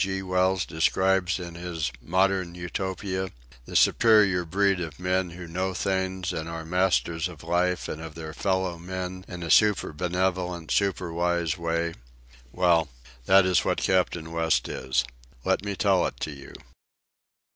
G. Wells describes in his Modern Utopia—the superior breed of men who know things and are masters of life and of their fellow men in a super benevolent, super wise way? Well, that is what Captain West is. Let me tell it to you.